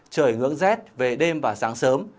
trời ngưỡng rét về đêm và sáng sớm